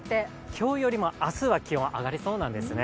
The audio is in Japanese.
今日よりも明日は気温、上がりそうなんですね。